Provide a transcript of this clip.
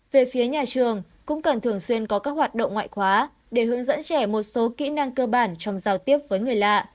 về phía nhà trường cũng cần thường xuyên có các hoạt động ngoại khóa để hướng dẫn trẻ một số kỹ năng cơ bản trong giao tiếp với người lạ